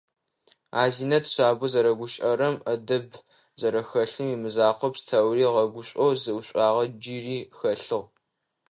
Азинэт шъабэу зэрэгущыӏэрэм, ӏэдэб зэрэхэлъым имызакъоу, пстэури ыгъэгушӏоу зы шӏуагъэ джыри хэлъыгъ.